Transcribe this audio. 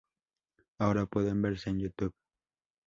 Ahora pueden verse en "Youtube".